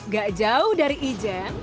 gak jauh dari ijen